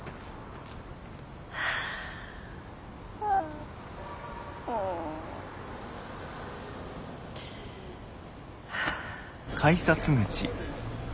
はあうん！はあ。